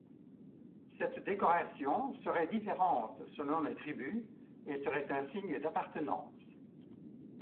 Cette décoration serait différente selon les tribus et serait un signe d'appartenance.